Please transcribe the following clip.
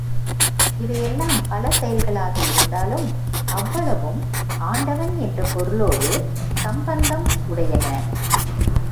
இவை எல்லாம் பல செயல்களாக இருந்தாலும் அவ்வளவும் ஆண்டவன் என்ற பொருளோடு சம்பந்தம் உடையன.